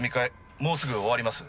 もうすぐ終わります。